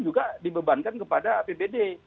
juga dibebankan kepada apbd